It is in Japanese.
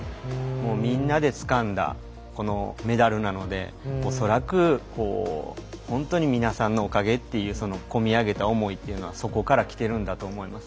みんなで、つかんだこのメダルなのでおそらく本当に皆さんのおかげという込み上げた思いというのがそこからきているんだと思います。